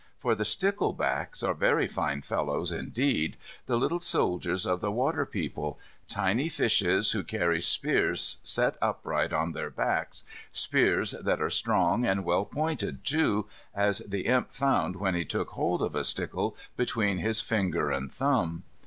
For the sticklebacks are very fine fellows indeed, the little soldiers of the water people, tiny fishes, who carry spears set upright on their backs, spears that are strong and well pointed, too, as the Imp found when he took hold of a stickle between his finger and thumb.